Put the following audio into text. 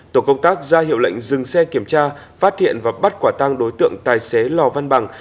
tổ công tác ra hiệu lệnh dừng xe kiểm tra phát hiện và bắt quả tăng đối tượng tài xế lò văn bằng